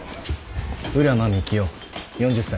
浦真幹夫４０歳。